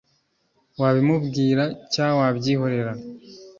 wabimubwira cya wabyihorera